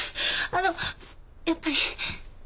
あのうやっぱり。